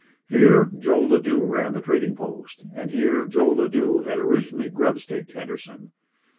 Here Joe Ladue ran the trading post, and here Joe Ladue had originally grub staked Henderson.